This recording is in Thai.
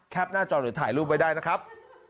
แคปหน้าจอถือถ่ายรูปไปได้นะครับ